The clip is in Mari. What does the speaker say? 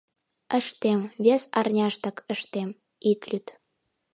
Ыштем, вес арняштак ыштем — ит лӱд.